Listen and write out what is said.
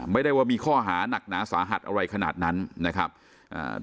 ไม่ได้ว่ามีข้อหานักหนาสาหัสอะไรขนาดนั้นนะครับอ่า